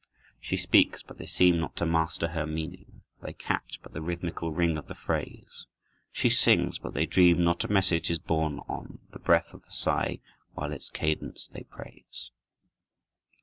She speaks, but they seem not to master her meaning, They catch but the "rhythmical ring of the phrase." She sings, but they dream not a message is borne on The breath of the sigh, while its "cadence" they praise.